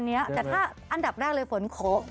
แต่ถ้าอันดับแรกเลยฝนโขะ